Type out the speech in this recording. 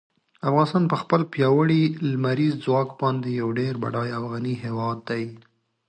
افغانستان په خپل پیاوړي لمریز ځواک باندې یو ډېر بډای او غني هېواد دی.